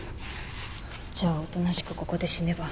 じゃあおとなしくここで死ねば？